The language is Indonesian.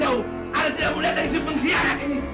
anda tidak boleh jadi pengkhianat ini